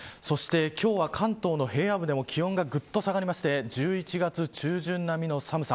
今日は関東の平野部でも気温がぐっと下がりまして１１月中旬並みの寒さ。